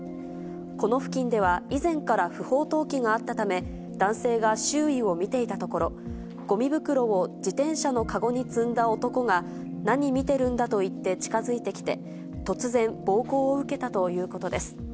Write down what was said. この付近では、以前から不法投棄があったため、男性が周囲を見ていたところ、ごみ袋を自転車のかごに積んだ男が何見てるんだと言って近づいてきて、突然、暴行を受けたということです。